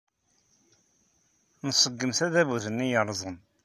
Nṣeggem tadabut-nni yerrẓen.